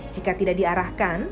jika tidak diarahkan